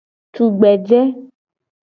Tugbeje.